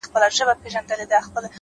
لوی فکر لوی عمل ته اړتیا لري’